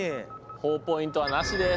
ほぉポイントはなしです。